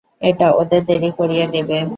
এটা ওদের দেরী করিয়ে দেবে।